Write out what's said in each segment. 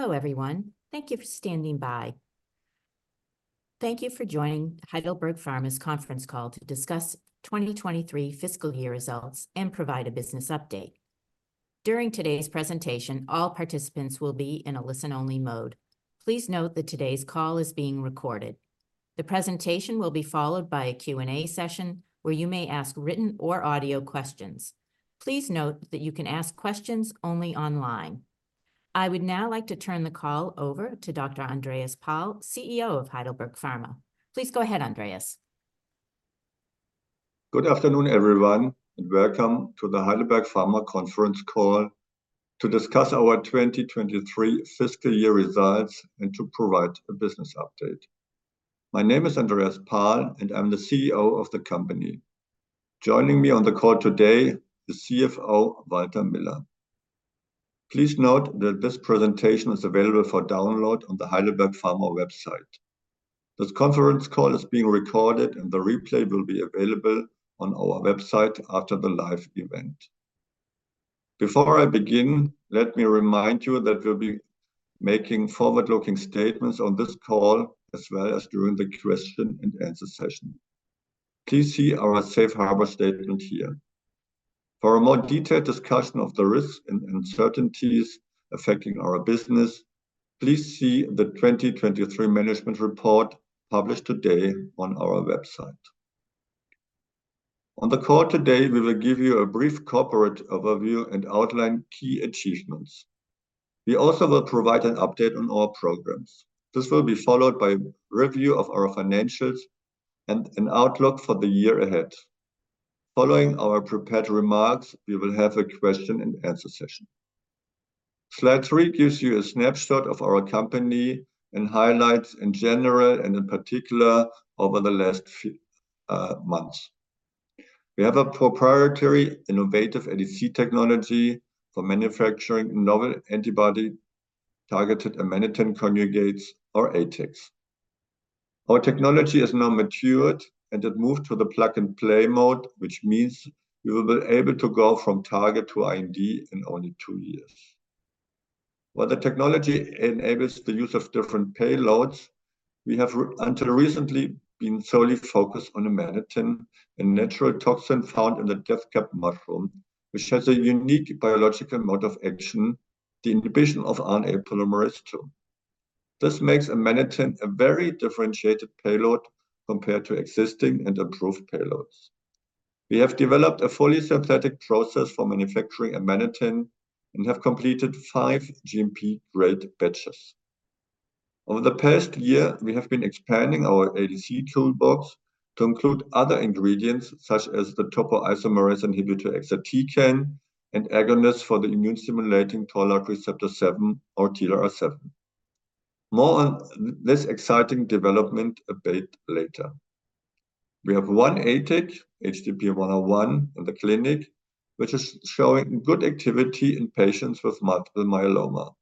Hello, everyone. Thank you for standing by. Thank you for joining Heidelberg Pharma's Conference Call to discuss 2023 fiscal year results and provide a business update. During today's presentation, all participants will be in a listen-only mode. Please note that today's call is being recorded. The presentation will be followed by a Q&A session where you may ask written or audio questions. Please note that you can ask questions only online. I would now like to turn the call over to Dr. Andreas Pahl, CEO of Heidelberg Pharma. Please go ahead, Andreas. Good afternoon, everyone, and welcome to The Heidelberg Pharma Conference Call to discuss our 2023 fiscal year results and to provide a business update. My name is Andreas Pahl, and I'm the CEO of the company. Joining me on the call today is CFO Walter Miller. Please note that this presentation is available for download on the Heidelberg Pharma website. This conference call is being recorded, and the replay will be available on our website after the live event. Before I begin, let me remind you that we'll be making forward-looking statements on this call as well as during the question-and-answer session. Please see our Safe Harbor statement here. For a more detailed discussion of the risks and uncertainties affecting our business, please see the 2023 management report published today on our website. On the call today, we will give you a brief corporate overview and outline key achievements. We also will provide an update on our programs. This will be followed by a review of our financials and an outlook for the year ahead. Following our prepared remarks, we will have a question-and-answer session. Slide three gives you a snapshot of our company and highlights in general and in particular over the last few months. We have a proprietary innovative ADC technology for manufacturing novel antibody targeted Amanitin conjugates, or ATAC. Our technology is now matured, and it moved to the plug-and-play mode, which means we will be able to go from target to IND in only two years. While the technology enables the use of different payloads, we have until recently been solely focused on Amanitin, a natural toxin found in the death cap mushroom, which has a unique biological mode of action: the inhibition of RNA polymerase II. This makes Amanitin a very differentiated payload compared to existing and approved payloads. We have developed a fully synthetic process for manufacturing Amanitin and have completed five GMP-grade batches. Over the past year, we have been expanding our ADC toolbox to include other ingredients such as the topoisomerase inhibitor exatecan and agonists for the immune-stimulating Toll-like receptor 7, or TLR7. More on this exciting development a bit later. We have one ATAC, HDP-101, in the clinic, which is showing good activity in patients with multiple myeloma.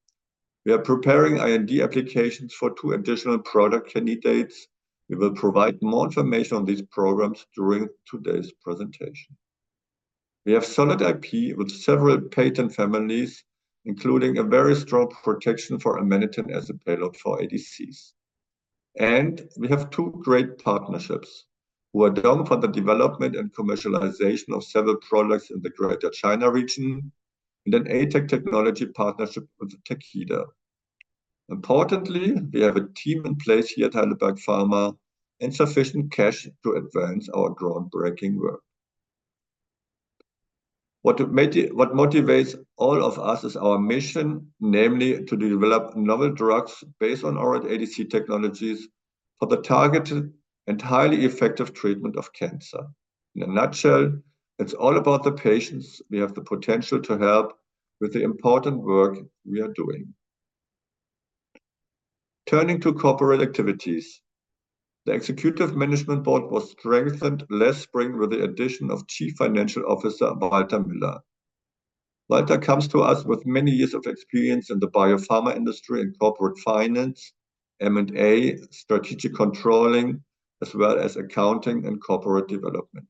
We are preparing IND applications for two additional product candidates. We will provide more information on these programs during today's presentation. We have solid IP with several patent families, including a very strong protection for Amanitin as a payload for ADCs. And we have two great partnerships who are done for the development and commercialization of several products in the Greater China region and an ATAC technology partnership with Takeda. Importantly, we have a team in place here at Heidelberg Pharma and sufficient cash to advance our groundbreaking work. What motivates all of us is our mission, namely to develop novel drugs based on our ADC technologies for the targeted and highly effective treatment of cancer. In a nutshell, it's all about the patients we have the potential to help with the important work we are doing. Turning to corporate activities. The executive management board was strengthened last spring with the addition of Chief Financial Officer Walter Miller. Walter comes to us with many years of experience in the biopharma industry and corporate finance, M&A, strategic controlling, as well as accounting and corporate development.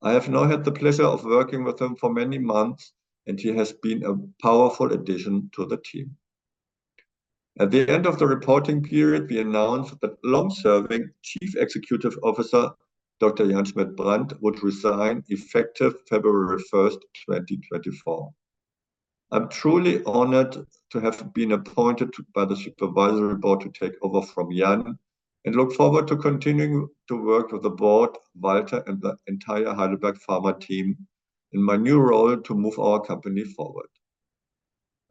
I have now had the pleasure of working with him for many months, and he has been a powerful addition to the team. At the end of the reporting period, we announced that long-serving Chief Executive Officer Dr. Jan Schmidt-Brand would resign effective February 1, 2024. I'm truly honored to have been appointed by the supervisory board to take over from Jan and look forward to continuing to work with the board, Walter, and the entire Heidelberg Pharma team in my new role to move our company forward.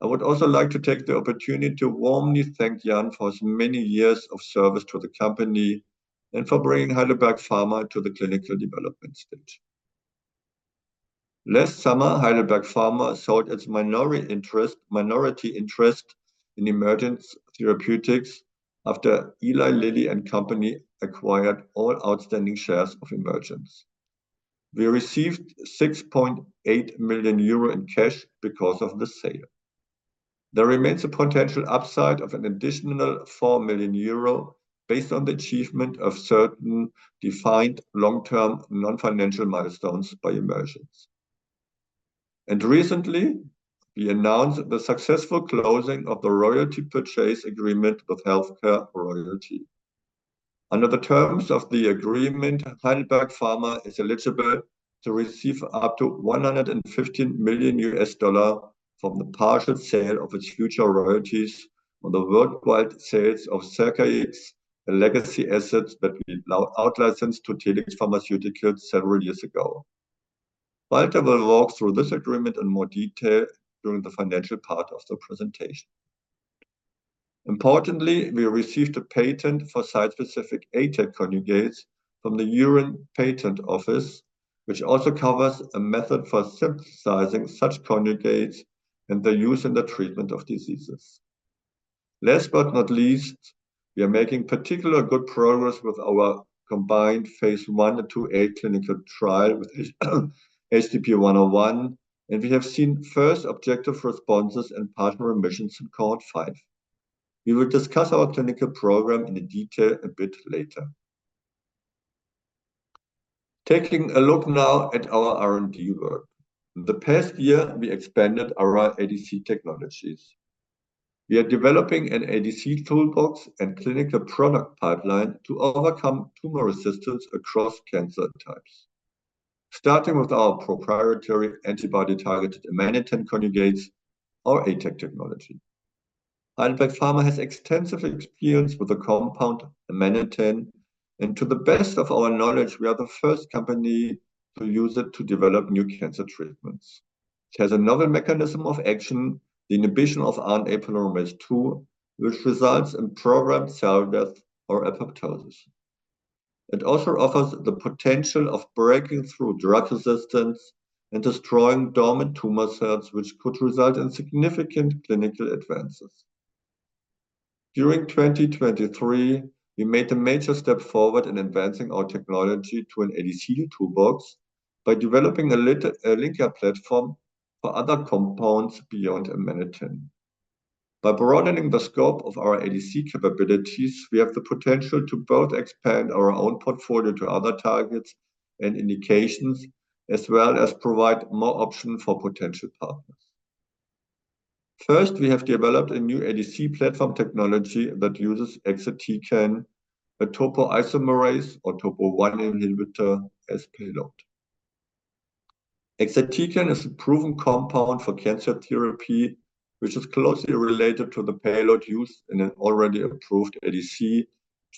I would also like to take the opportunity to warmly thank Jan for his many years of service to the company and for bringing Heidelberg Pharma to the clinical development stage. Last summer, Heidelberg Pharma sold its minority interest in Emergence Therapeutics after Eli Lilly and Company acquired all outstanding shares of Emergence. We received 6.8 million euro in cash because of the sale. There remains a potential upside of an additional 4 million euro based on the achievement of certain defined long-term non-financial milestones by Emergence. Recently, we announced the successful closing of the royalty purchase agreement with HealthCare Royalty. Under the terms of the agreement, Heidelberg Pharma is eligible to receive up to $115 million from the partial sale of its future royalties on the worldwide sales of Zircaix, a legacy asset that we outlicensed to Telix Pharmaceuticals several years ago. Walter will walk through this agreement in more detail during the financial part of the presentation. Importantly, we received a patent for site-specific ATAC conjugates from the European Patent Office, which also covers a method for synthesizing such conjugates and their use in the treatment of diseases. Last but not least, we are making particularly good progress with our combined phase I and IIa clinical trial with HDP-101, and we have seen first objective responses and partial remissions in Cohort 5. We will discuss our clinical program in detail a bit later. Taking a look now at our R&D work. In the past year, we expanded our ADC technologies. We are developing an ADC toolbox and clinical product pipeline to overcome tumor resistance across cancer types, starting with our proprietary antibody-targeted Amanitin conjugates, or ATAC technology. Heidelberg Pharma has extensive experience with the compound Amanitin, and to the best of our knowledge, we are the first company to use it to develop new cancer treatments. It has a novel mechanism of action, the inhibition of RNA polymerase II, which results in programmed cell death or apoptosis. It also offers the potential of breaking through drug resistance and destroying dormant tumor cells, which could result in significant clinical advances. During 2023, we made a major step forward in advancing our technology to an ADC toolbox by developing a linker platform for other compounds beyond Amanitin. By broadening the scope of our ADC capabilities, we have the potential to both expand our own portfolio to other targets and indications, as well as provide more options for potential partners. First, we have developed a new ADC platform technology that uses exatecan, a topoisomerase I, or Topo1 inhibitor, as payload. Exatecan is a proven compound for cancer therapy, which is closely related to the payload used in an already approved ADC,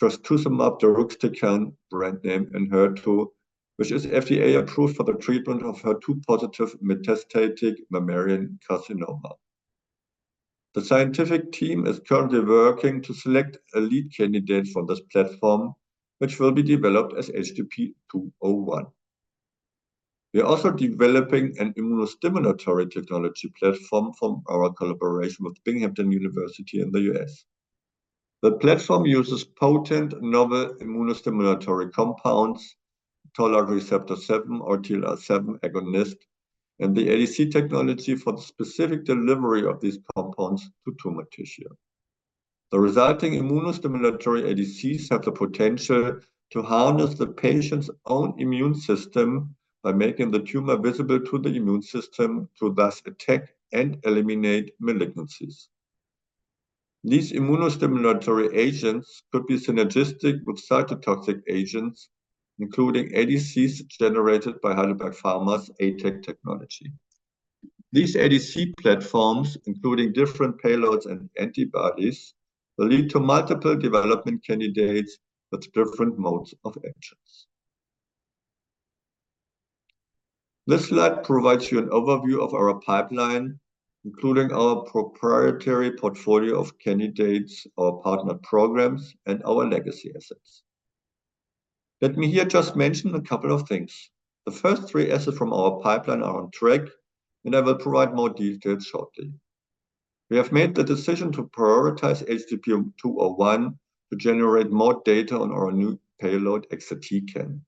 trastuzumab deruxtecanbrand name Enhertu, which is FDA approved for the treatment of HER2-positive metastatic mammary carcinoma. The scientific team is currently working to select a lead candidate from this platform, which will be developed as HDP-201. We are also developing an immunostimulatory technology platform from our collaboration with Binghamton University in the U.S. The platform uses potent novel immunostimulatory compounds, toll-like receptor 7, or TLR7 agonist, and the ADC technology for the specific delivery of these compounds to tumor tissue. The resulting immunostimulatory ADCs have the potential to harness the patient's own immune system by making the tumor visible to the immune system to thus attack and eliminate malignancies. These immunostimulatory agents could be synergistic with cytotoxic agents, including ADCs generated by Heidelberg Pharma's ATAC technology. These ADC platforms, including different payloads and antibodies, will lead to multiple development candidates with different modes of action. This slide provides you an overview of our pipeline, including our proprietary portfolio of candidates, our partner programs, and our legacy assets. Let me here just mention a couple of things. The first three assets from our pipeline are on track, and I will provide more details shortly. We have made the decision to prioritize HDP-201 to generate more data on our new payload exatecan.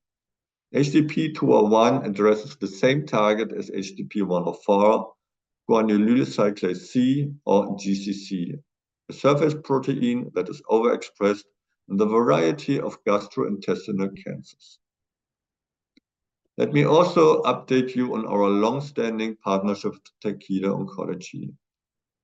HDP-201 addresses the same target as HDP-104, guanylyl cyclase C, or GCC, a surface protein that is overexpressed in the variety of gastrointestinal cancers. Let me also update you on our long-standing partnership with Takeda.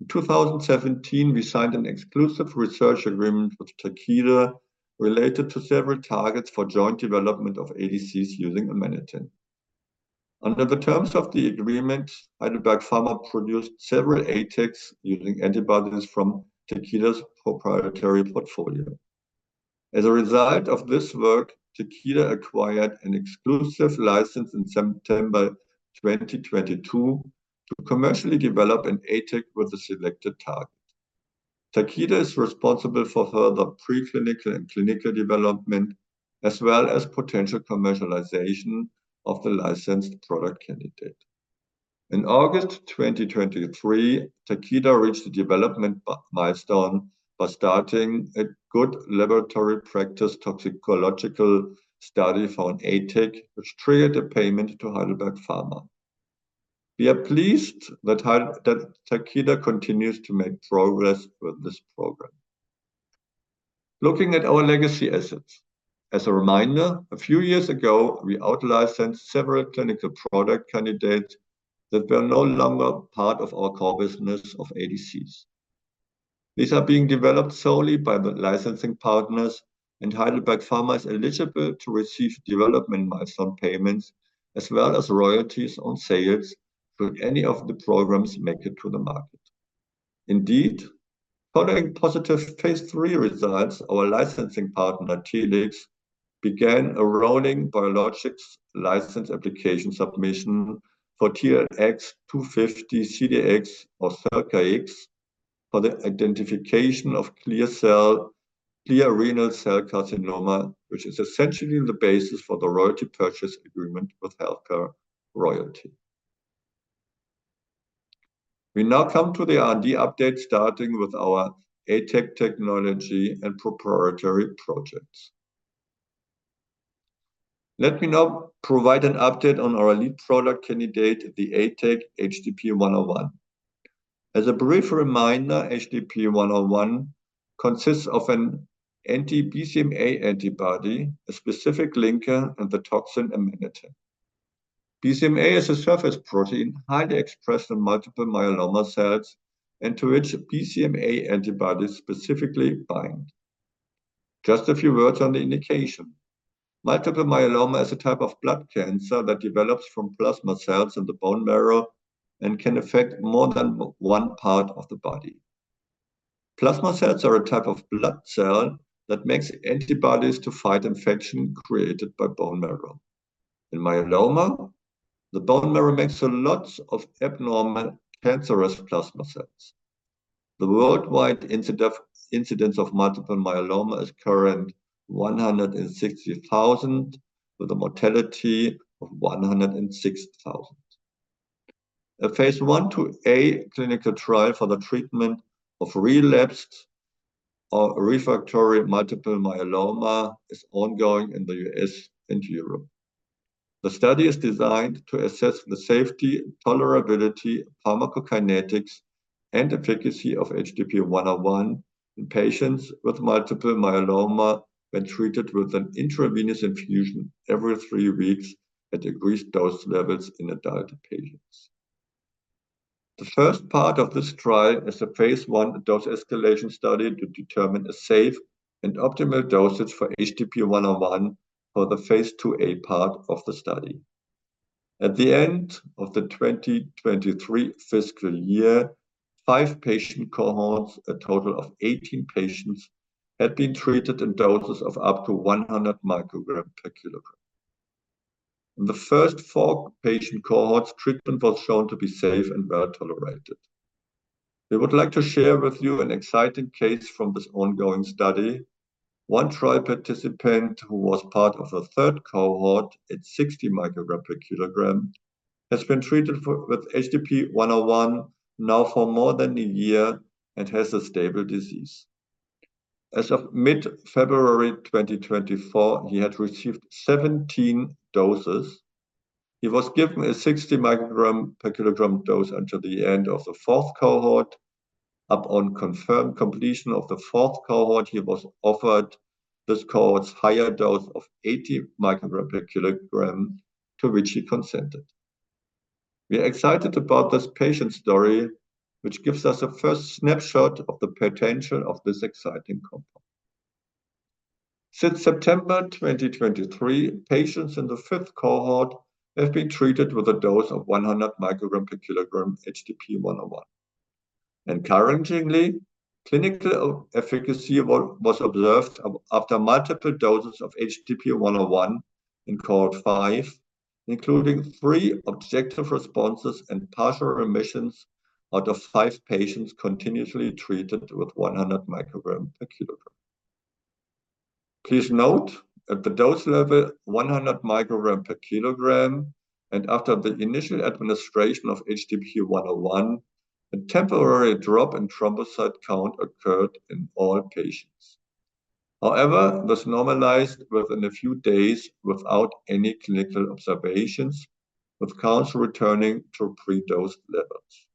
In 2017, we signed an exclusive research agreement with Takeda related to several targets for joint development of ADCs using Amanitin. Under the terms of the agreement, Heidelberg Pharma produced several ATACs using antibodies from Takeda's proprietary portfolio. As a result of this work, Takeda acquired an exclusive license in September 2022 to commercially develop an ATAC with the selected target. Takeda is responsible for further preclinical and clinical development, as well as potential commercialization of the licensed product candidate. In August 2023, Takeda reached the development milestone by starting a good laboratory practice toxicological study for an ATAC, which triggered a payment to Heidelberg Pharma. We are pleased that Takeda continues to make progress with this program. Looking at our legacy assets. As a reminder, a few years ago, we outlicensed several clinical product candidates that were no longer part of our core business of ADCs. These are being developed solely by the licensing partners, and Heidelberg Pharma is eligible to receive development milestone payments, as well as royalties on sales should any of the programs make it to the market. Indeed, following positive phase III results, our licensing partner Telix began a rolling biologics license application submission for TLX250-CDx, or Zircaix, for the identification of clear cell renal cell carcinoma, which is essentially the basis for the royalty purchase agreement with HealthCare Royalty. We now come to the R&D update, starting with our ATAC technology and proprietary projects. Let me now provide an update on our lead product candidate, the ATAC HDP-101. As a brief reminder, HDP-101 consists of an anti-BCMA antibody, a specific linker, and the toxin Amanitin. BCMA is a surface protein highly expressed in multiple myeloma cells and to which BCMA antibodies specifically bind. Just a few words on the indication. Multiple myeloma is a type of blood cancer that develops from plasma cells in the bone marrow and can affect more than one part of the body. Plasma cells are a type of blood cell that makes antibodies to fight infection created by bone marrow. In myeloma, the bone marrow makes lots of abnormal cancerous plasma cells. The worldwide incidence of multiple myeloma is currently 160,000, with a mortality of 106,000. A phase I to IIa clinical trial for the treatment of relapsed or refractory multiple myeloma is ongoing in the U.S. and Europe. The study is designed to assess the safety, tolerability, pharmacokinetics, and efficacy of HDP-101 in patients with multiple myeloma when treated with an intravenous infusion every three weeks at increased dose levels in adult patients. The first part of this trial is a phase I dose escalation study to determine a safe and optimal dosage for HDP-101 for the phase IIa part of the study. At the end of the 2023 fiscal year, five patient cohorts, a total of 18 patients, had been treated in doses of up to 100 micrograms per kilogram. In the first four patient cohorts, treatment was shown to be safe and well tolerated. We would like to share with you an exciting case from this ongoing study. One trial participant who was part of a third cohort at 60 micrograms per kilogram has been treated with HDP-101 now for more than a year and has a stable disease. As of mid-February 2024, he had received 17 doses. He was given a 60 micrograms per kilogram dose until the end of the fourth cohort. Upon confirmed completion of the fourth cohort, he was offered this cohort's higher dose of 80 micrograms per kilogram, to which he consented. We are excited about this patient story, which gives us a first snapshot of the potential of this exciting compound. Since September 2023, patients in the fifth cohort have been treated with a dose of 100 micrograms per kilogram HDP-101. Encouragingly, clinical efficacy was observed after multiple doses of HDP-101 in Cohort 5, including 3 objective responses and partial remissions out of 5 patients continuously treated with 100 micrograms per kilogram. Please note at the dose level 100 micrograms per kilogram and after the initial administration of HDP-101, a temporary drop in thrombocyte count occurred in all patients. However, this normalized within a few days without any clinical observations, with counts returning to predosed levels.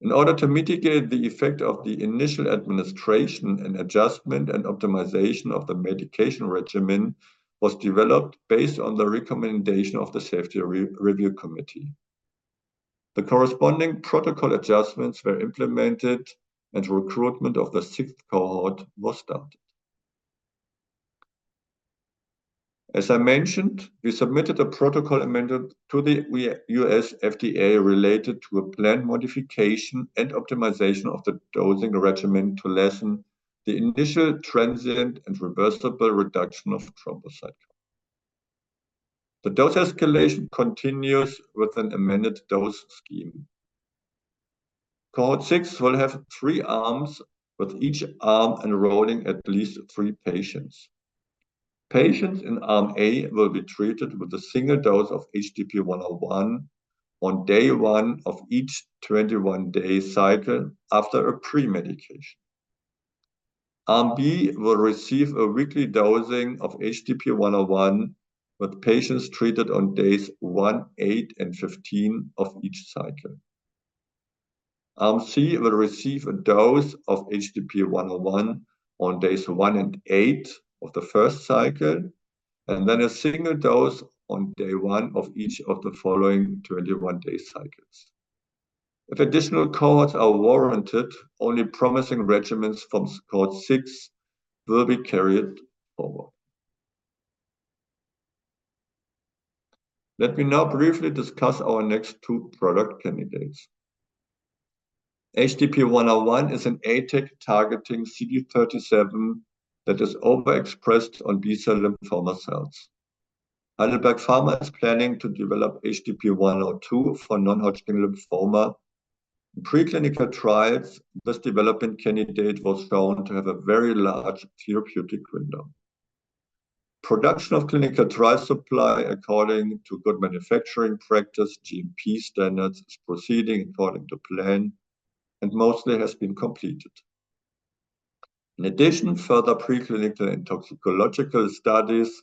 In order to mitigate the effect of the initial administration and adjustment and optimization of the medication regimen, it was developed based on the recommendation of the Safety Review Committee. The corresponding protocol adjustments were implemented, and recruitment of the 6th cohort was started. As I mentioned, we submitted a protocol amendment to the U.S. FDA related to a plan modification and optimization of the dosing regimen to lessen the initial transient and reversible reduction of thrombocyte count. The dose escalation continues with an amended dose scheme. Cohort 6 will have 3 arms, with each arm enrolling at least 3 patients. Patients in Arm A will be treated with a single dose of HDP-101 on day 1 of each 21-day cycle after a premedication. Arm B will receive a weekly dosing of HDP-101 with patients treated on days 1, 8, and 15 of each cycle. Arm C will receive a dose of HDP-101 on days 1 and 8 of the first cycle, and then a single dose on day 1 of each of the following 21-day cycles. If additional cohorts are warranted, only promising regimens from Cohort 6 will be carried forward. Let me now briefly discuss our next two product candidates. HDP-101 is an ATAC targeting CD37 that is overexpressed on B-cell lymphoma cells. Heidelberg Pharma is planning to develop HDP-102 for non-Hodgkin lymphoma. In preclinical trials, this development candidate was shown to have a very large therapeutic window. Production of clinical trial supply according to good manufacturing practice (GMP) standards is proceeding according to plan and mostly has been completed. In addition, further preclinical and toxicological studies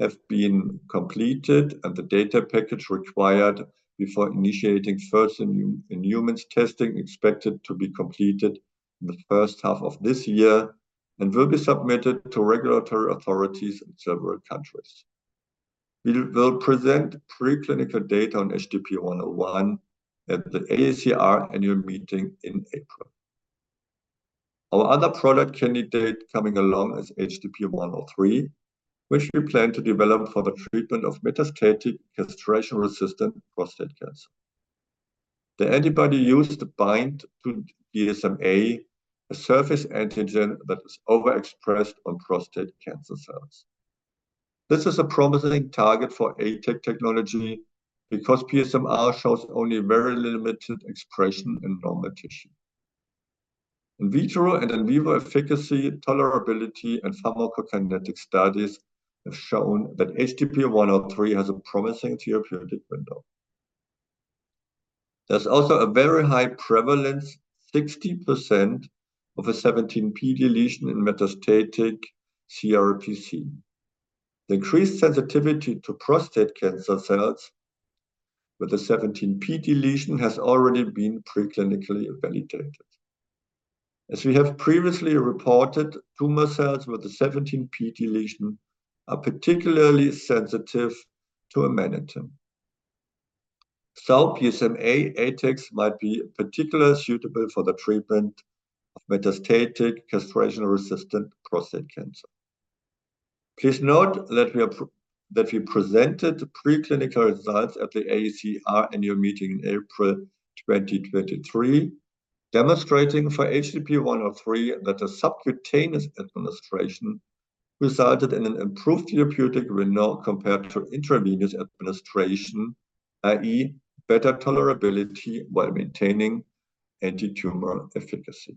have been completed, and the data package required before initiating first-in-human testing is expected to be completed in the first half of this year and will be submitted to regulatory authorities in several countries. We will present preclinical data on HDP-101 at the AACR annual meeting in April. Our other product candidate coming along is HDP-103, which we plan to develop for the treatment of metastatic castration-resistant prostate cancer. The antibody used to bind to PSMA is a surface antigen that is overexpressed on prostate cancer cells. This is a promising target for ATAC technology because PSMA shows only very limited expression in normal tissue. In vitro and in vivo efficacy, tolerability, and pharmacokinetic studies have shown that HDP-103 has a promising therapeutic window. There is also a very high prevalence: 60% of a 17p deletion in metastatic CRPC. The increased sensitivity to prostate cancer cells with a 17p deletion has already been preclinically validated. As we have previously reported, tumor cells with a 17p deletion are particularly sensitive to Amanitin. So, PSMA ATAC might be particularly suitable for the treatment of metastatic castration-resistant prostate cancer. Please note that we presented preclinical results at the AACR annual meeting in April 2023, demonstrating for HDP-103 that a subcutaneous administration resulted in an improved therapeutic index compared to intravenous administration, i.e., better tolerability while maintaining anti-tumor efficacy.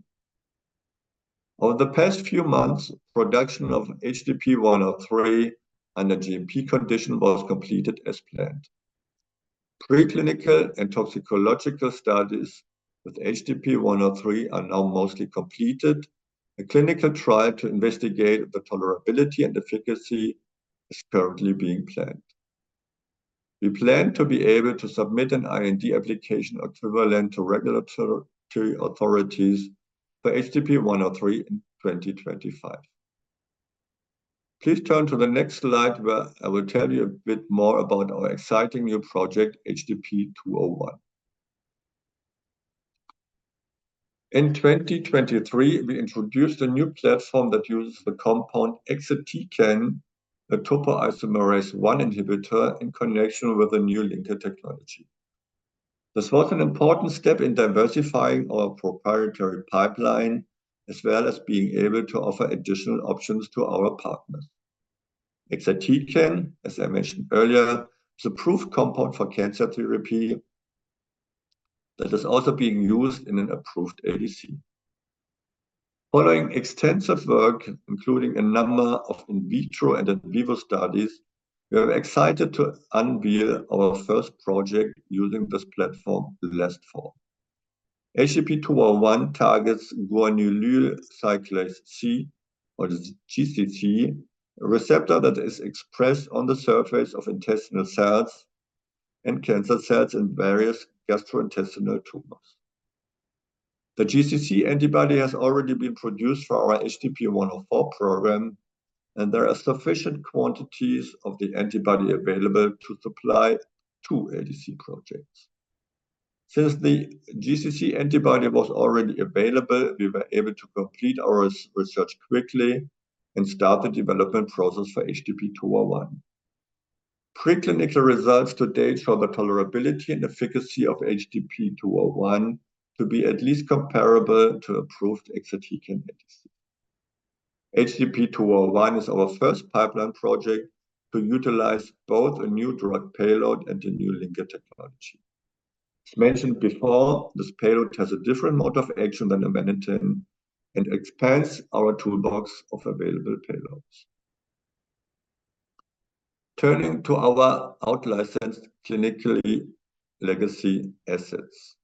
Over the past few months, production of HDP-103 under GMP conditions was completed as planned. Preclinical and toxicological studies with HDP-103 are now mostly completed. A clinical trial to investigate the tolerability and efficacy is currently being planned. We plan to be able to submit an IND-equivalent application to regulatory authorities for HDP-103 in 2025. Please turn to the next slide, where I will tell you a bit more about our exciting new project HDP-201. In 2023, we introduced a new platform that uses the compound exatecan, a topoisomerase I inhibitor, in connection with the new linker technology. This was an important step in diversifying our proprietary pipeline, as well as being able to offer additional options to our partners. Exatecan, as I mentioned earlier, is a proven compound for cancer therapy that is also being used in an approved ADC. Following extensive work, including a number of in vitro and in vivo studies, we are excited to unveil our first project using this platform last fall. HDP-201 targets guanylyl cyclase C, or the GCC, a receptor that is expressed on the surface of intestinal cells and cancer cells in various gastrointestinal tumors. The GCC antibody has already been produced for our HDP-104 program, and there are sufficient quantities of the antibody available to supply two ADC projects. Since the GCC antibody was already available, we were able to complete our research quickly and start the development process for HDP-201. Preclinical results to date show the tolerability and efficacy of HDP-201 to be at least comparable to approved exatecan ADC. HDP-201 is our first pipeline project to utilize both a new drug payload and a new linker technology. As mentioned before, this payload has a different mode of action than Amanitin and expands our toolbox of available payloads. Turning to our outlicensed clinical legacy assets.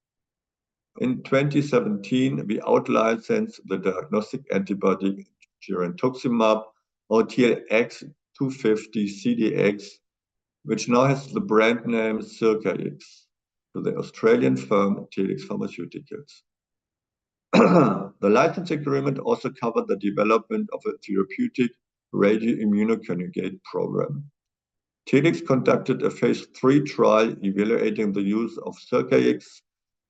In 2017, we outlicensed the diagnostic antibody girentuximab or TLX250-CDx, which now has the brand name Zircaix to the Australian firm Telix Pharmaceuticals. The license agreement also covered the development of a therapeutic radioimmunoconjugate program. Telix conducted a phase III trial evaluating the use of Zircaix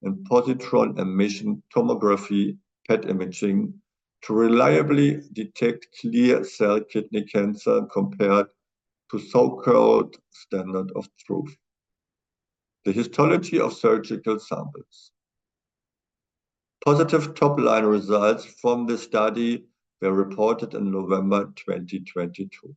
and positron emission tomography PET imaging to reliably detect clear cell kidney cancer compared to so-called standard of truth, the histology of surgical samples. Positive top-line results from this study were reported in November 2022.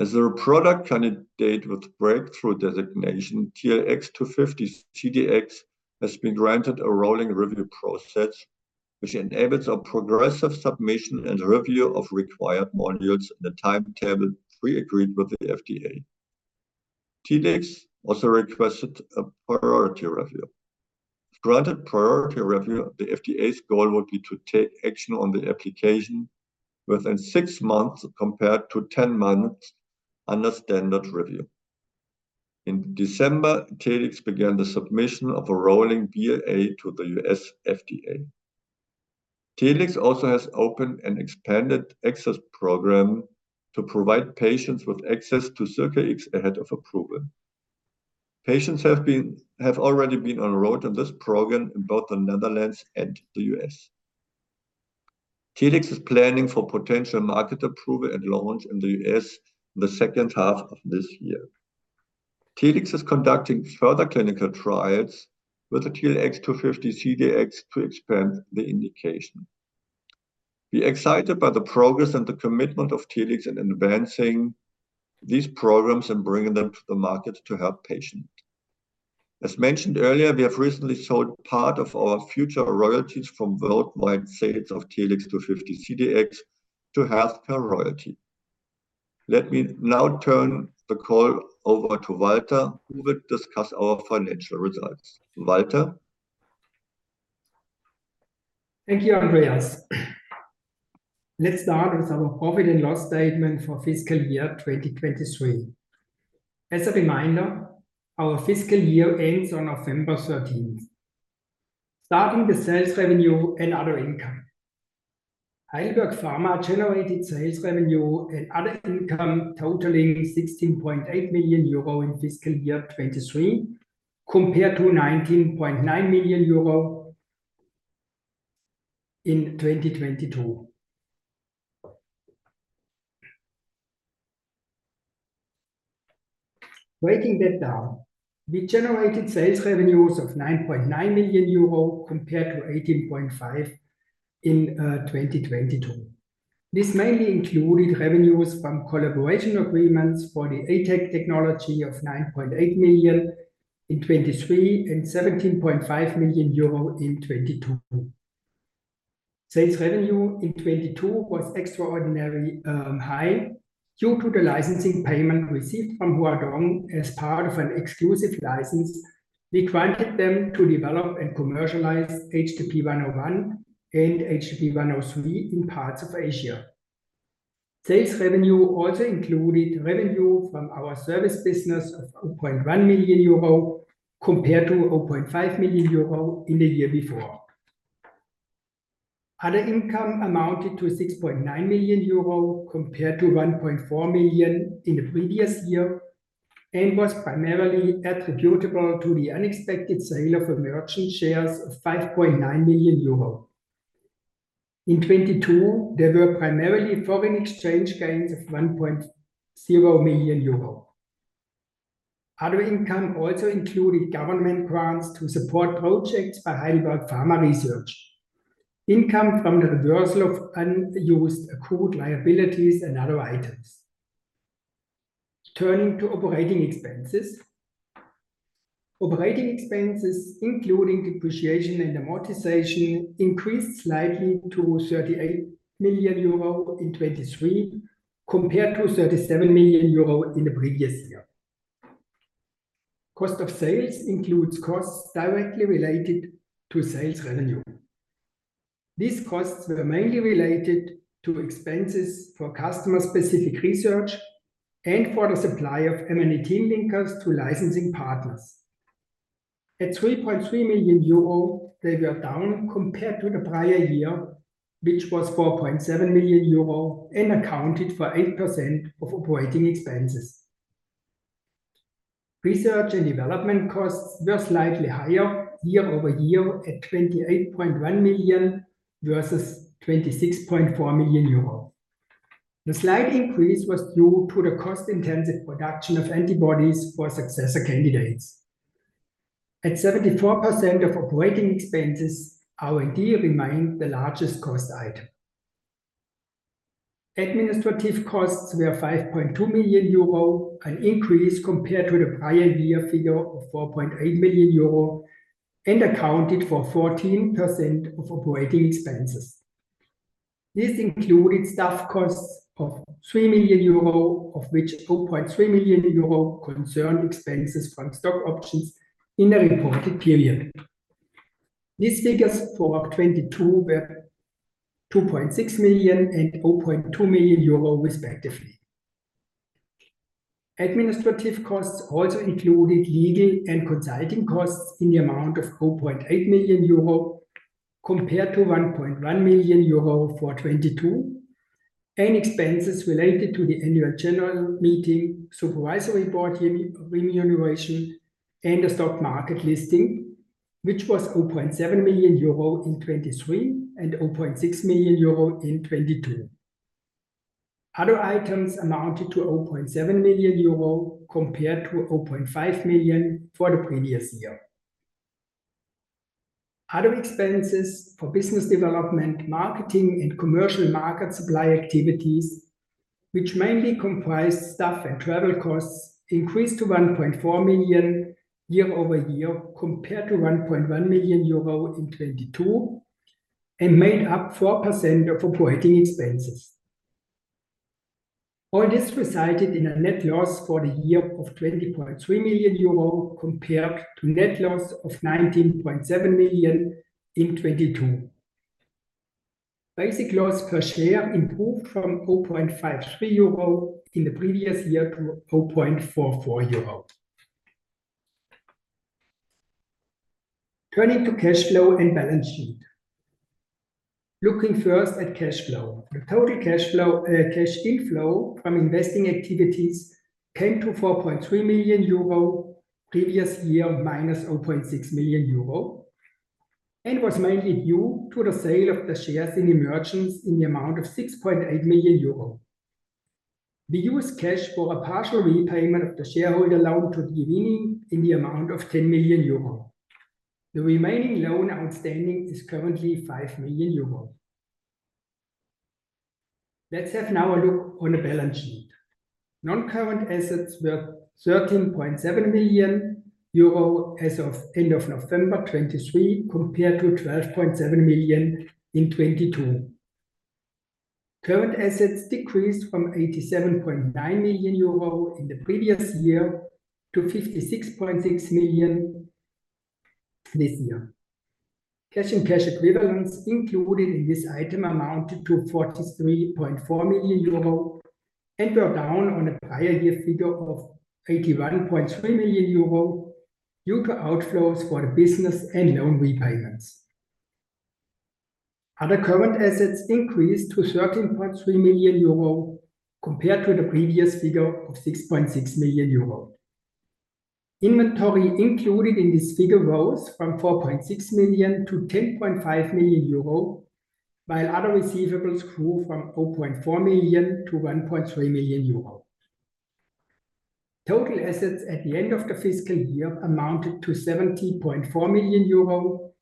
As a product candidate with breakthrough designation, TLX250-CDx has been granted a rolling review process, which enables a progressive submission and review of required modules in a timetable pre-agreed with the FDA. TLX also requested a priority review. With granted priority review, the FDA's goal would be to take action on the application within 6 months compared to 10 months under standard review. In December, TLX began the submission of a rolling BLA to the U.S. FDA. TLX also has opened an expanded access program to provide patients with access to Zircaix ahead of approval. Patients have already been enrolled in this program in both the Netherlands and the U.S. TLX is planning for potential market approval and launch in the U.S. in the second half of this year. TLX is conducting further clinical trials with the TLX250-CDx to expand the indication. We are excited by the progress and the commitment of TLX in advancing these programs and bringing them to the market to help patients. As mentioned earlier, we have recently sold part of our future royalties from worldwide sales of TLX250-CDx to HealthCare Royalty. Let me now turn the call over to Walter, who will discuss our financial results. Walter? Thank you, Andreas. Let's start with our profit and loss statement for fiscal year 2023. As a reminder, our fiscal year ends on November 13th, starting with sales revenue and other income. Heidelberg Pharma generated sales revenue and other income totaling 16.8 million euro in fiscal year 2023 compared to 19.9 million euro in 2022. Breaking that down, we generated sales revenues of 9.9 million euro compared to 18.5 million in 2022. This mainly included revenues from collaboration agreements for the ATAC technology of 9.8 million in 2023 and 17.5 million euro in 2022. Sales revenue in 2022 was extraordinarily high due to the licensing payment received from Huadong as part of an exclusive license. We granted them to develop and commercialize HDP-101 and HDP-103 in parts of Asia. Sales revenue also included revenue from our service business of 0.1 million euro compared to 0.5 million euro in the year before. Other income amounted to 6.9 million euro compared to 1.4 million in the previous year and was primarily attributable to the unexpected sale of Emergence shares of 5.9 million euro. In 2022, there were primarily foreign exchange gains of 1.0 million euro. Other income also included government grants to support projects by Heidelberg Pharma Research, income from the reversal of unused accrued liabilities and other items. Turning to operating expenses. Operating expenses, including depreciation and amortization, increased slightly to 38 million euro in 2023 compared to 37 million euro in the previous year. Cost of sales includes costs directly related to sales revenue. These costs were mainly related to expenses for customer-specific research and for the supply of Amanitin linkers to licensing partners. At 3.3 million euro, they were down compared to the prior year, which was 4.7 million euro and accounted for 8% of operating expenses. Research and development costs were slightly higher year-over-year at 28.1 million versus 26.4 million euro. The slight increase was due to the cost-intensive production of antibodies for successor candidates. At 74% of operating expenses, R&D remained the largest cost item. Administrative costs were 5.2 million euro, an increase compared to the prior year figure of 4.8 million euro, and accounted for 14% of operating expenses. This included staff costs of 3 million euro, of which 0.3 million euro concerned expenses from stock options in the reported period. These figures for 2022 were 2.6 million and 0.2 million euro, respectively. Administrative costs also included legal and consulting costs in the amount of 0.8 million euro compared to 1.1 million euro for 2022, and expenses related to the annual general meeting, supervisory board remuneration, and the stock market listing, which was 0.7 million euro in 2023 and 0.6 million euro in 2022. Other items amounted to 0.7 million euro compared to 0.5 million for the previous year. Other expenses for business development, marketing, and commercial market supply activities, which mainly comprised staff and travel costs, increased to 1.4 million year-over-year compared to 1.1 million euro in 2022 and made up 4% of operating expenses. All this resulted in a net loss for the year of 20.3 million euro compared to a net loss of 19.7 million in 2022. Basic loss per share improved from 0.53 euro in the previous year to 0.44 euro. Turning to cash flow and balance sheet. Looking first at cash flow, the total cash inflow from investing activities came to 4.3 million euro previous year minus 0.6 million euro and was mainly due to the sale of the shares in Emergence in the amount of 6.8 million euro. We used cash for a partial repayment of the shareholder loan to Dievini in the amount of 10 million euro. The remaining loan outstanding is currently 5 million euro. Let's have now a look on the balance sheet. Non-current assets were 13.7 million euro as of the end of November 2023 compared to 12.7 million in 2022. Current assets decreased from 87.9 million euro in the previous year to 56.6 million this year. Cash and cash equivalents included in this item amounted to 43.4 million euro and were down on a prior year figure of 81.3 million euro due to outflows for the business and loan repayments. Other current assets increased to 13.3 million euro compared to the previous figure of 6.6 million euro. Inventory included in this figure rose from 4.6 million to 10.5 million euro, while other receivables grew from 0.4 million to 1.3 million euro. Total assets at the end of the fiscal year amounted to 70.4 million euro.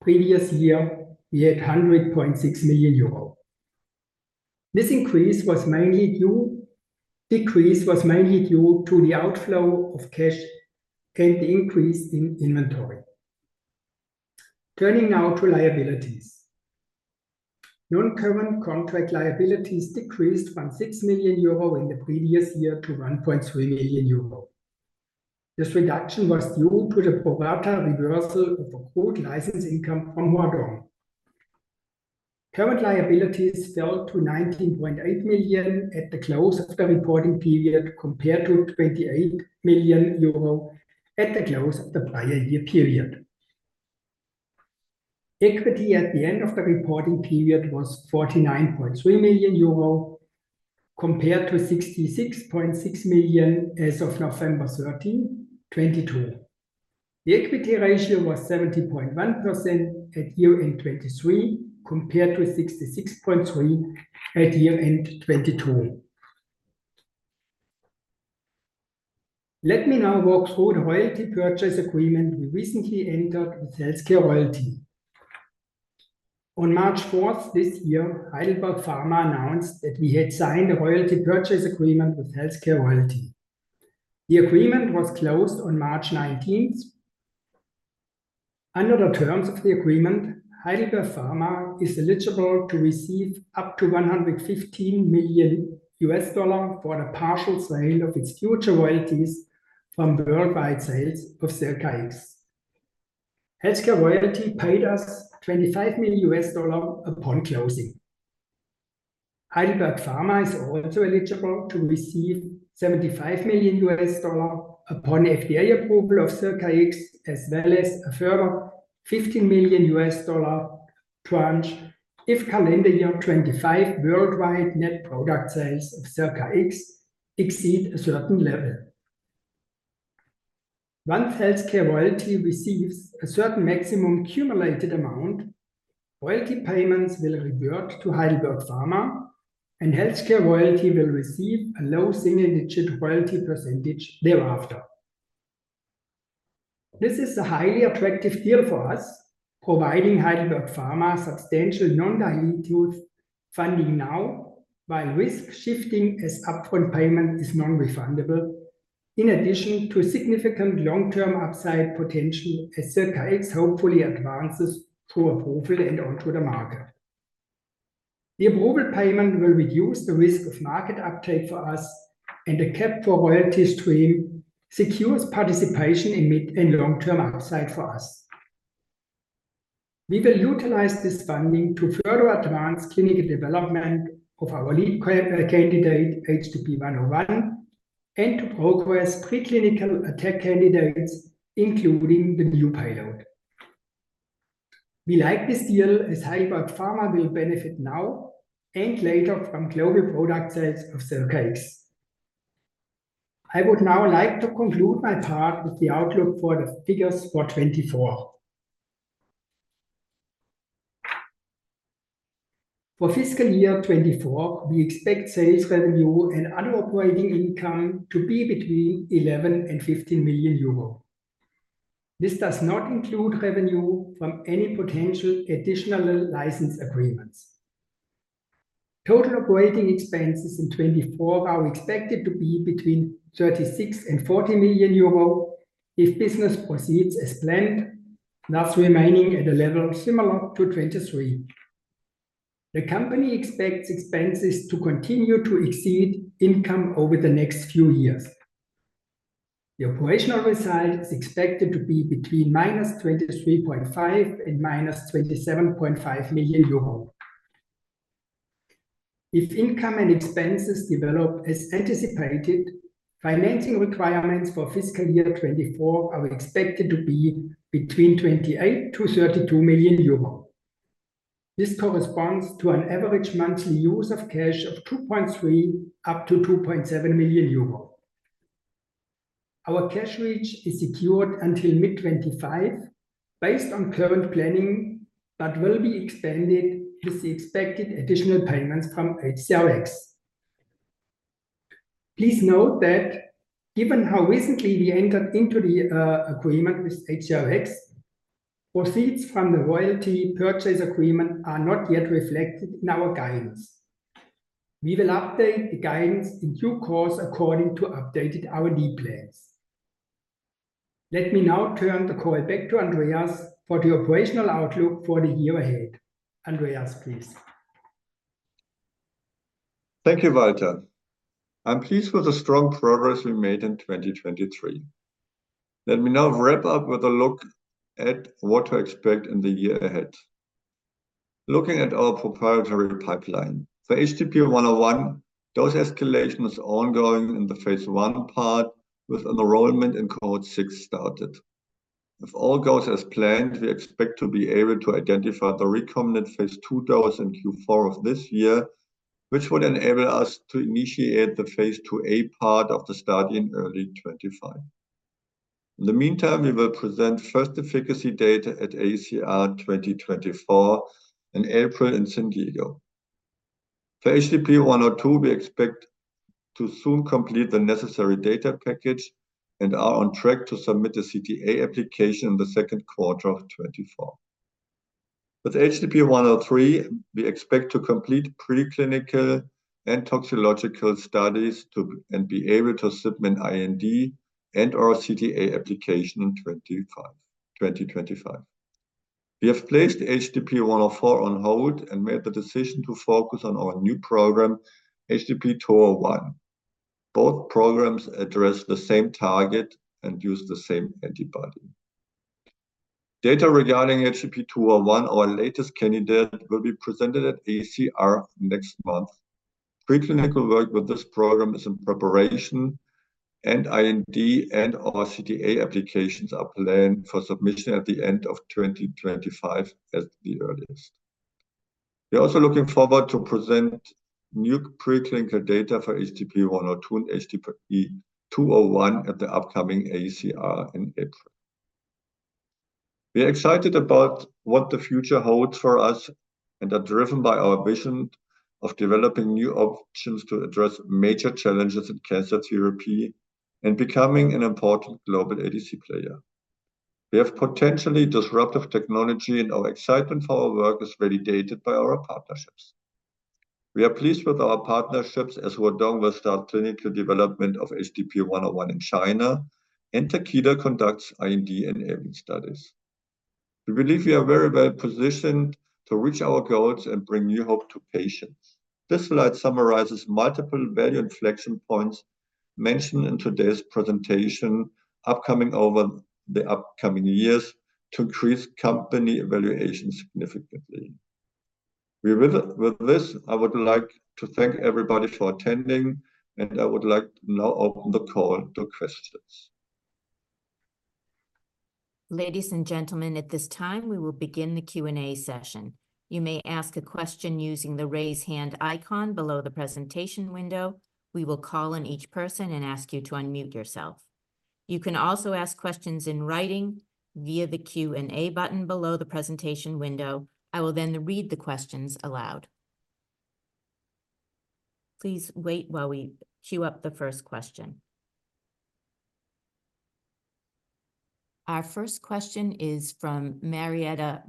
Previous year, we had 100.6 million euro. This increase was mainly due to the outflow of cash and the increase in inventory. Turning now to liabilities. Non-current contract liabilities decreased from 6 million euro in the previous year to 1.3 million euro. This reduction was due to the pro rata reversal of accrued license income from Huadong. Current liabilities fell to 19.8 million at the close of the reporting period compared to 28 million euro at the close of the prior year period. Equity at the end of the reporting period was 49.3 million euro compared to 66.6 million as of November 13, 2022. The equity ratio was 70.1% at year-end 2023 compared to 66.3% at year-end 2022. Let me now walk through the royalty purchase agreement we recently entered with HealthCare Royalty. On March 4th this year, Heidelberg Pharma announced that we had signed a royalty purchase agreement with HealthCare Royalty. The agreement was closed on March 19th. Under the terms of the agreement, Heidelberg Pharma is eligible to receive up to $115 million for the partial sale of its future royalties from worldwide sales of Zircaix. Healthcare Royalty paid us $25 million upon closing. Heidelberg Pharma is also eligible to receive $75 million upon FDA approval of Zircaix, as well as a further $15 million tranche if calendar year 2025 worldwide net product sales of Zircaix exceed a certain level. Once Healthcare Royalty receives a certain maximum cumulated amount, royalty payments will revert to Heidelberg Pharma, and Healthcare Royalty will receive a low single-digit royalty percentage thereafter. This is a highly attractive deal for us, providing Heidelberg Pharma substantial non-diluted funding now, while risk shifting as upfront payment is non-refundable, in addition to significant long-term upside potential as Zircaix hopefully advances through approval and onto the market. The approval payment will reduce the risk of market uptake for us, and the cap for royalty stream secures participation in mid and long-term upside for us. We will utilize this funding to further advance clinical development of our lead candidate HDP-101 and to progress preclinical ATAC candidates, including the new payload. We like this deal as Heidelberg Pharma will benefit now and later from global product sales of Zircaix. I would now like to conclude my part with the outlook for the figures for 2024. For fiscal year 2024, we expect sales revenue and other operating income to be between 11 million and 15 million euro. This does not include revenue from any potential additional license agreements. Total operating expenses in 2024 are expected to be between 36 million and 40 million euro if business proceeds as planned, thus remaining at a level similar to 2023. The company expects expenses to continue to exceed income over the next few years. The operational result is expected to be between 23.5 million and 27.5 million euro. If income and expenses develop as anticipated, financing requirements for fiscal year 2024 are expected to be between 28 million-32 million euro. This corresponds to an average monthly use of cash of 2.3 million up to 2.7 million euro. Our cash reach is secured until mid-2025 based on current planning but will be expanded with the expected additional payments from HCRX. Please note that given how recently we entered into the agreement with HCRX, proceeds from the royalty purchase agreement are not yet reflected in our guidance. We will update the guidance in due course according to updated R&D plans. Let me now turn the call back to Andreas for the operational outlook for the year ahead. Andreas, please. Thank you, Walter. I'm pleased with the strong progress we made in 2023. Let me now wrap up with a look at what to expect in the year ahead. Looking at our proprietary pipeline, for HDP-101, dose escalation is ongoing in the phase I part with enrollment in Cohort VI started. If all goes as planned, we expect to be able to identify the recommended phase II dose in Q4 of this year, which would enable us to initiate the phase IIa part of the study in early 2025. In the meantime, we will present first efficacy data at AACR 2024 in April in San Diego. For HDP-102, we expect to soon complete the necessary data package and are on track to submit the CTA application in the second quarter of 2024. With HDP-103, we expect to complete preclinical and toxicological studies and be able to submit IND and/or CTA application in 2025. We have placed HDP-104 on hold and made the decision to focus on our new program, HDP-201. Both programs address the same target and use the same antibody. Data regarding HDP-101, our latest candidate, will be presented at AACR next month. Preclinical work with this program is in preparation, and IND and/or CTA applications are planned for submission at the end of 2025 at the earliest. We are also looking forward to presenting new preclinical data for HDP-102 and HDP-201 at the upcoming AACR in April. We are excited about what the future holds for us and are driven by our vision of developing new options to address major challenges in cancer therapy and becoming an important global ADC player. We have potentially disruptive technology, and our excitement for our work is validated by our partnerships. We are pleased with our partnerships as Huadong will start clinical development of HDP-101 in China, and Takeda conducts IND-enabling studies. We believe we are very well positioned to reach our goals and bring new hope to patients. This slide summarizes multiple value inflection points mentioned in today's presentation over the upcoming years to increase company evaluation significantly. With this, I would like to thank everybody for attending, and I would like to now open the call to questions. Ladies and gentlemen, at this time, we will begin the Q&A session. You may ask a question using the raise hand icon below the presentation window. We will call on each person and ask you to unmute yourself. You can also ask questions in writing via the Q&A button below the presentation window. I will then read the questions aloud. Please wait while we queue up the first question. Our first question is from Marietta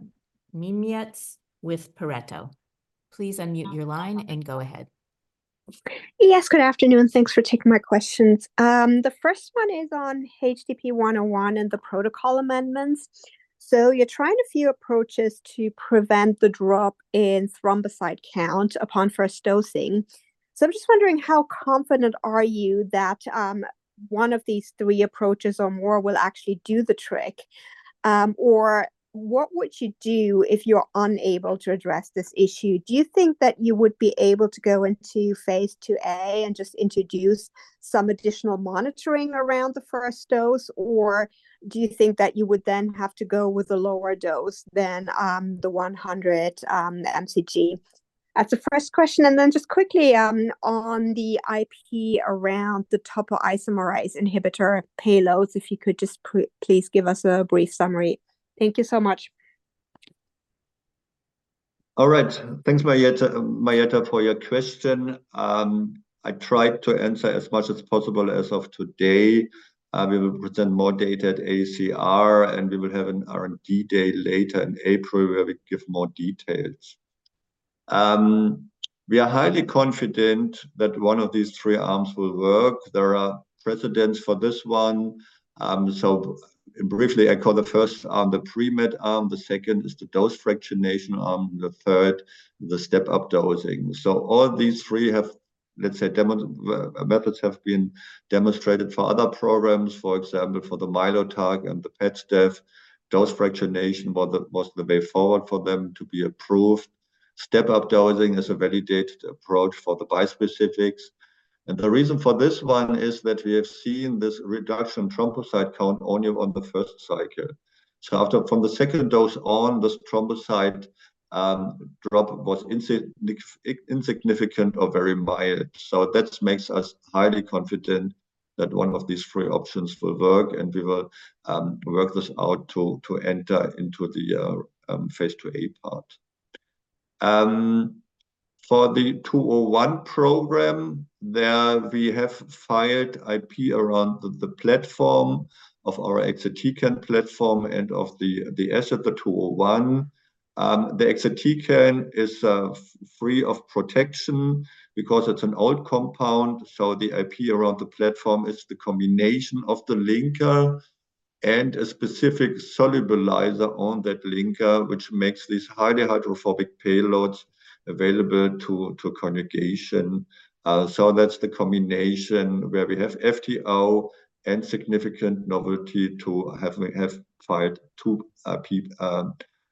Miemietz with Pareto. Please unmute your line and go ahead. Yes, good afternoon. Thanks for taking my questions. The first one is on HDP-101 and the protocol amendments. So you're trying a few approaches to prevent the drop in thrombocyte count upon first dosing. So I'm just wondering, how confident are you that one of these three approaches or more will actually do the trick? Or what would you do if you're unable to address this issue? Do you think that you would be able to go into phase IIa and just introduce some additional monitoring around the first dose, or do you think that you would then have to go with a lower dose than the 100 mcg? That's the first question. And then just quickly, on the IP around the topoisomerase inhibitor payloads, if you could just please give us a brief summary. Thank you so much. All right. Thanks, Marietta, for your question. I tried to answer as much as possible as of today. We will present more data at AACR, and we will have an R&D day later in April where we give more details. We are highly confident that one of these three arms will work. There are precedents for this one. So briefly, I call the first arm the pre-med arm, the second is the dose fractionation arm, and the third the step-up dosing. So all these three have, let's say, methods have been demonstrated for other programs. For example, for the Mylotarg and the Padcev, dose fractionation was the way forward for them to be approved. Step-up dosing is a validated approach for the bispecifics. And the reason for this one is that we have seen this reduction in thrombocyte count only on the first cycle. So after, from the second dose on, this thrombocyte drop was insignificant or very mild. So that makes us highly confident that one of these three options will work, and we will work this out to enter into the phase IIa part. For the 201 program, there we have filed IP around the platform of our exatecan platform and of the asset of the 201. The exatecan is free of protection because it's an old compound. So the IP around the platform is the combination of the linker and a specific solubilizer on that linker, which makes these highly hydrophobic payloads available to conjugation. So that's the combination where we have FTO and significant novelty to having filed two IP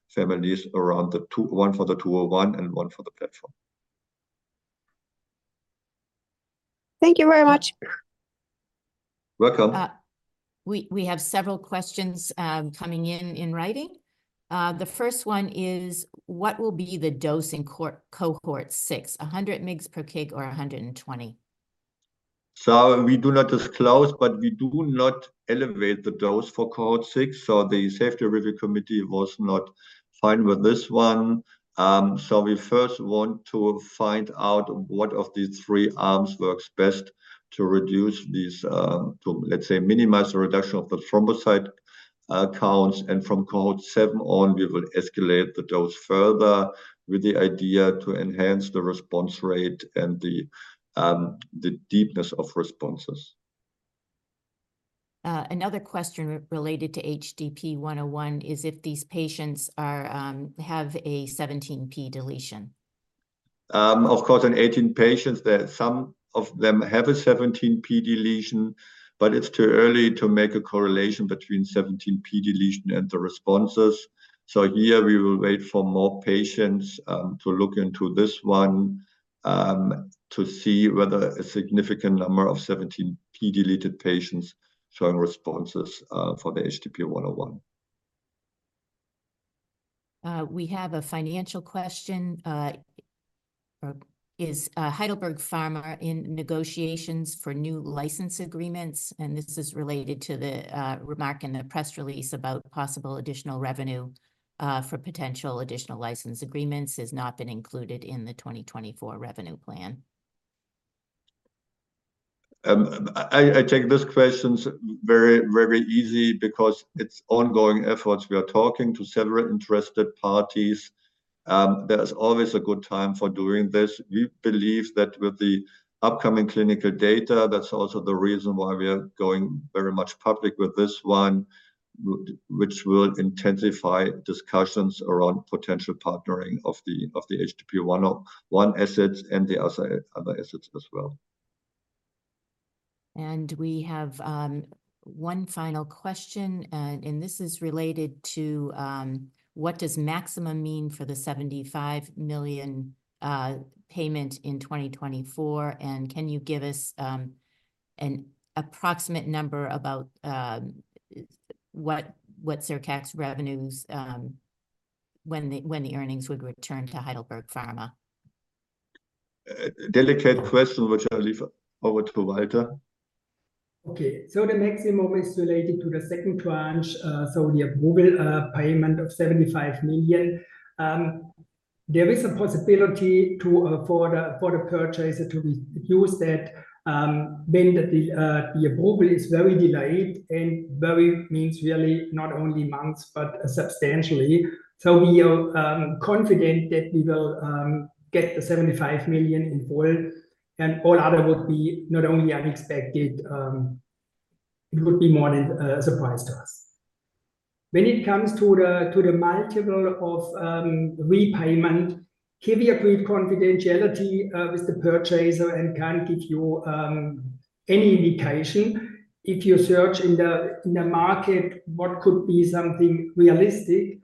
families around the two, one for the 201 and one for the platform. Thank you very much. Welcome. We have several questions coming in in writing. The first one is, what will be the dose in Cohort VI, 100 mg/kg or 120? So we do not disclose, but we do not elevate the dose for Cohort VI. So the Safety Review Committee was not fine with this one. So we first want to find out what of these three arms works best to reduce these, to, let's say, minimize the reduction of the thrombocyte counts. And from Cohort VII on, we will escalate the dose further with the idea to enhance the response rate and the, the deepness of responses. Another question related to HDP-101 is if these patients are, have a 17p deletion. Of course, in 18 patients, some of them have a 17p deletion, but it's too early to make a correlation between 17p deletion and the responses. So here we will wait for more patients, to look into this one, to see whether a significant number of 17p deleted patients showing responses, for the HDP-101. We have a financial question. Or is Heidelberg Pharma in negotiations for new license agreements? And this is related to the remark in the press release about possible additional revenue for potential additional license agreements has not been included in the 2024 revenue plan. I, I take these questions very, very easy because it's ongoing efforts. We are talking to several interested parties. There is always a good time for doing this. We believe that with the upcoming clinical data, that's also the reason why we are going very much public with this one, which will intensify discussions around potential partnering of the HDP-101 assets and the other assets as well. And we have one final question, and this is related to what does maximum mean for the 75 million payment in 2024? And can you give us an approximate number about what Zircaix revenues when the earnings would return to Heidelberg Pharma? Delicate question, which I'll leave over to Walter. Okay. So the maximum is related to the second tranche. So the approval payment of 75 million. There is a possibility for the purchaser to use that when the approval is very delayed and very means really not only months, but substantially. So we are confident that we will get the 75 million in full, and all other would be not only unexpected, it would be more than a surprise to us. When it comes to the multiple of repayment, have you agreed confidentiality with the purchaser and can't give you any indication? If you search in the market, what could be something realistic,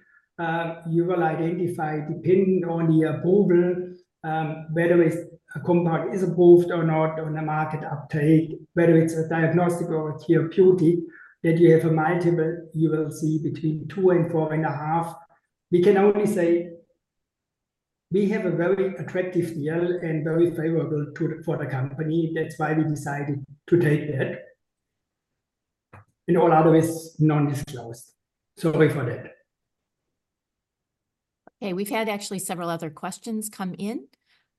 you will identify depending on the approval, whether a compound is approved or not on the market uptake, whether it's a diagnostic or a therapeutic, that you have a multiple, you will see between 2 and 4.5. We can only say we have a very attractive deal and very favorable to the for the company. That's why we decided to take that. All other is non-disclosed. Sorry for that. Okay. We've had actually several other questions come in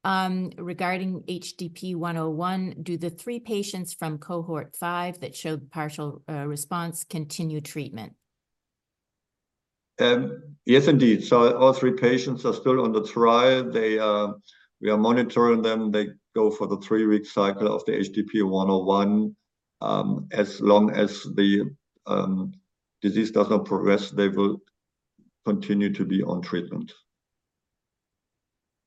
regarding HDP-101. Do the 3 patients from Cohort V that showed partial response continue treatment? Yes, indeed. So all 3 patients are still on the trial. They, we are monitoring them. They go for the 3-week cycle of the HDP-101. As long as the disease does not progress, they will continue to be on treatment.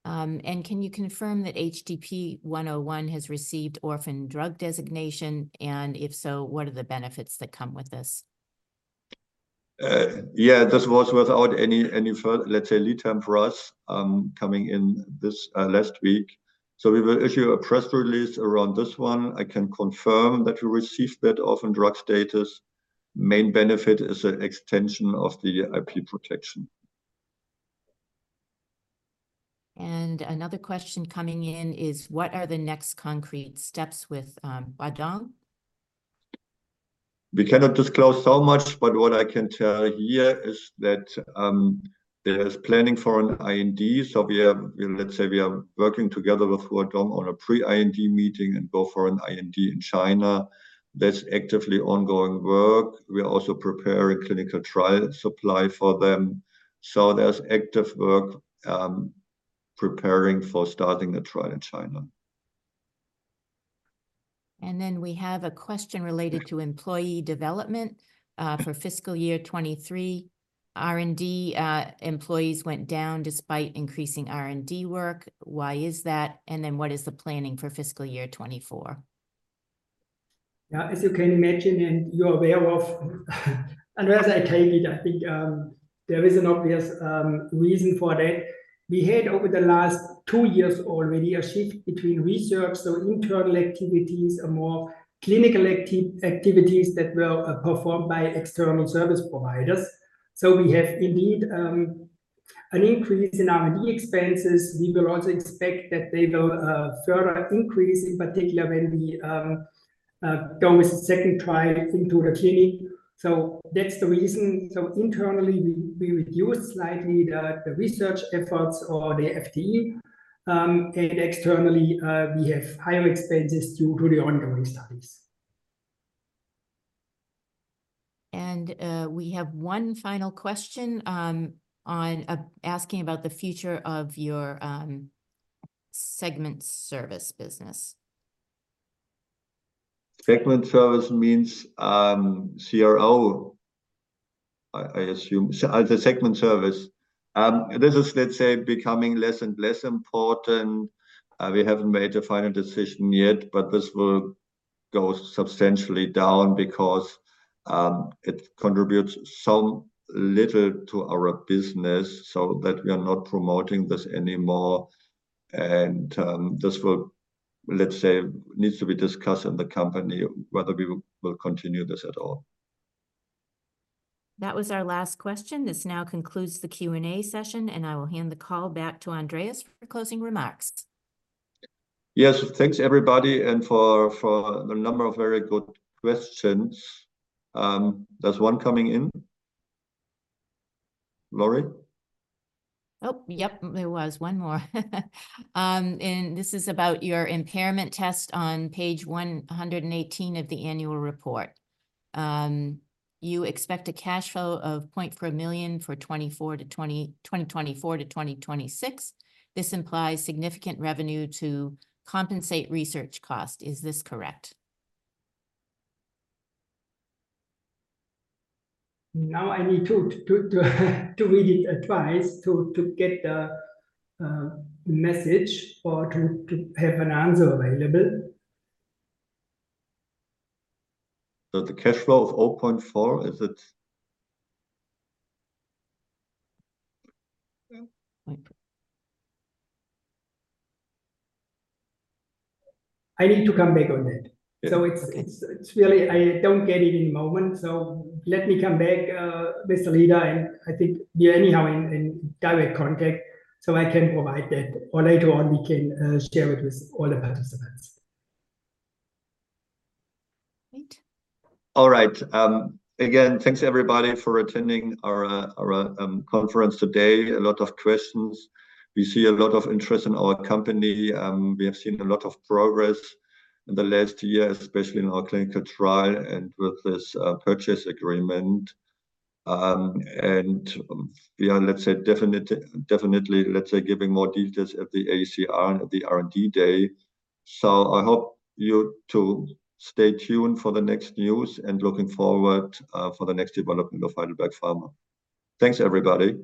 Can you confirm that HDP-101 has received orphan drug designation? If so, what are the benefits that come with this? Yeah, this was without any further, let's say, lead time for us, coming in this last week. So we will issue a press release around this one. I can confirm that we received that orphan drug status. Main benefit is an extension of the IP protection. Another question coming in is, what are the next concrete steps with Huadong? We cannot disclose so much, but what I can tell here is that there is planning for an IND. So we have, let's say, we are working together with Huadong on a pre-IND meeting and go for an IND in China. That's actively ongoing work. We are also preparing clinical trial supply for them. So there's active work, preparing for starting a trial in China. Then we have a question related to employee development, for fiscal year 2023. R&D employees went down despite increasing R&D work. Why is that? And then what is the planning for fiscal year 2024? Yeah, as you can imagine and you're aware of, Andreas, I take it, I think, there is an obvious reason for that. We had over the last two years already a shift between research, so internal activities and more clinical activities that were performed by external service providers. So we have indeed an increase in R&D expenses. We will also expect that they will further increase, in particular when we go with the second trial into the clinic. So that's the reason. So internally, we reduced slightly the research efforts or the FTE. And externally, we have higher expenses due to the ongoing studies. We have one final question on asking about the future of your segment service business. Segment service means CRO, I assume, the segment service. This is, let's say, becoming less and less important. We haven't made a final decision yet, but this will go substantially down because it contributes so little to our business so that we are not promoting this anymore. This will, let's say, needs to be discussed in the company whether we will continue this at all. That was our last question. This now concludes the Q&A session, and I will hand the call back to Andreas for closing remarks. Yes, thanks, everybody, and for the number of very good questions. There's one coming in. Laurie? Oh, yep, there was one more. And this is about your impairment test on page 118 of the annual report. You expect a cash flow of 0.4 million for 2024 to 2026. This implies significant revenue to compensate research cost. Is this correct? Now I need to read it twice to get the message or to have an answer available. So the cash flow of 0.4, is it? I need to come back on that. So it's really I don't get it in the moment. So let me come back, later, and I think we are anyhow in direct contact so I can provide that. Or later on, we can share it with all the participants. Great. All right. Again, thanks, everybody, for attending our conference today. A lot of questions. We see a lot of interest in our company. We have seen a lot of progress in the last year, especially in our clinical trial and with this purchase agreement. And we are, let's say, definitely definitely, let's say, giving more details at the AACR and at the R&D day. So I hope you to stay tuned for the next news and looking forward, for the next development of Heidelberg Pharma. Thanks, everybody.